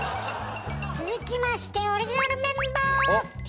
続きましてオリジナルメンバー！